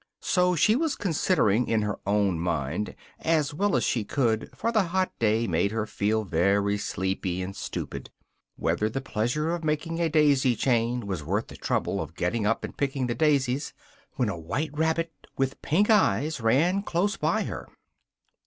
So she was considering in her own mind, (as well as she could, for the hot day made her feel very sleepy and stupid,) whether the pleasure of making a daisy chain was worth the trouble of getting up and picking the daisies, when a white rabbit with pink eyes ran close by her.